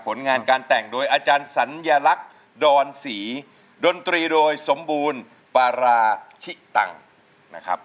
ผลงานการแต่งโดยอาจารย์สัญลักษณ์ดอนศรีดนตรีโดยสมบูรณ์ปาราชิตังนะครับ